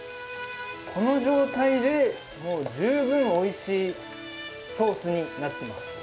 この状態でもう十分おいしいソースになってます。